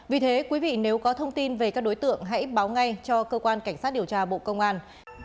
vì thế nếu có thông tin về các đối tượng hãy báo ngay cho cơ quan cảnh sát điều trà bộ công an